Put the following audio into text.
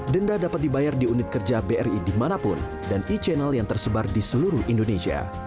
denda dapat dibayar di unit kerja bri dimanapun dan e channel yang tersebar di seluruh indonesia